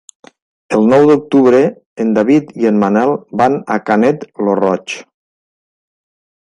El nou d'octubre en David i en Manel van a Canet lo Roig.